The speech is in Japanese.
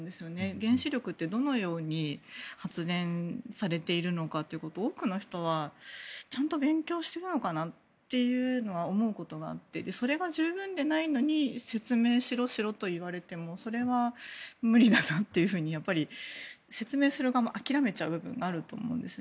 原子力ってどのように発電されているのかということを多くの人はちゃんと勉強しているのかなと思うことがあってそれが十分でないのに説明しろと言われてもそれは無理だなと説明する側も諦めちゃう部分もあると思うんですね。